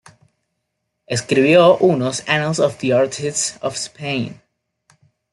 Escribió unos "Annals of the Artists of Spain".